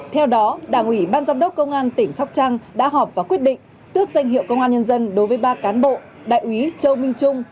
theo đó đảng ủy ban giám đốc công an tỉnh sóc trăng đã họp và quyết định tước danh hiệu công an nhân dân đối với ba cán bộ đại úy châu minh trung